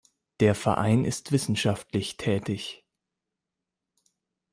Der Verein ist wissenschaftlich tätig.